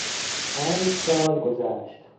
پنج سال گذشت.